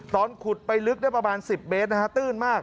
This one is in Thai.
ตอนขุดไปลึกได้ประมาณ๑๐เมตรนะฮะตื้นมาก